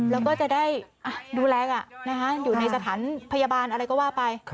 แล้วก็จะได้ดูแลกันอยู่ในสถานพยาบาลอะไรก็ว่าไป